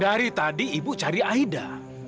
dari tadi ibu cari aida